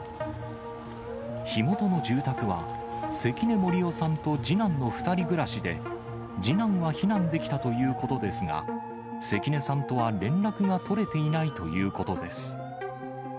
火元の住宅は、関根森雄さんと次男の２人暮らしで、次男は避難できたということですが、関根さんとは連絡が取れていないということです。